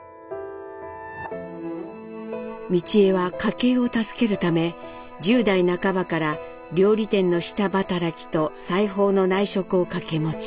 美智榮は家計を助けるため１０代半ばから料理店の下働きと裁縫の内職を掛け持ち。